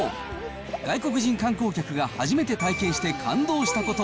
外国人観光客が初めて体験して感動したこと。